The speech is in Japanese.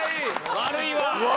悪いわ！